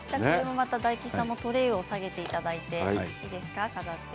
大吉さんもトレーを下げていただいて。